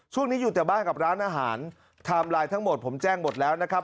ช่วงนี้อยู่แต่บ้านกับร้านอาหารไทม์ไลน์ทั้งหมดผมแจ้งหมดแล้วนะครับ